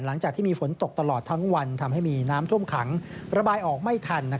หลังจากที่มีฝนตกตลอดทั้งวันทำให้มีน้ำท่วมขังระบายออกไม่ทัน